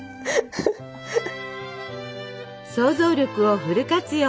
想像力をフル活用！